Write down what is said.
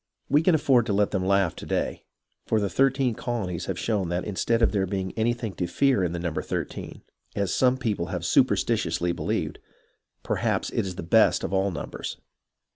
We can afford to let them laugh to day, for the thirteen colonies have shown that instead of there being anything to fear in the number thirteen, as some people have superstitiously believed, perhaps it is the best of all numbers.